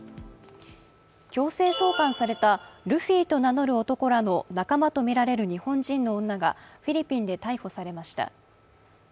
強制送還されたルフィと名乗る男らの仲間とみられる日本人の女がフィリピンで逮捕されました。